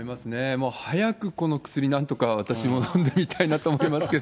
早くこの薬、なんとか私も飲んでみたいなと思いますけど。